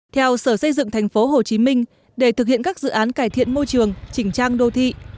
theo sở xây dựng thành phố hồ chí minh để thực hiện các dự án cải thiện môi trường chỉnh trang đô thị